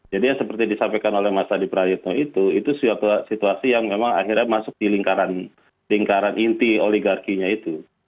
jadi yang seperti disampaikan oleh mas adi praitno itu itu situasi yang memang akhirnya masuk di lingkaran inti oligarkinya itu